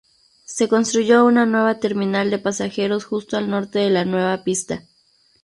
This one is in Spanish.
Se construyó una nueva terminal de pasajeros justo al norte de la nueva pista.